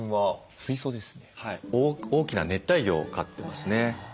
大きな熱帯魚を飼ってますね。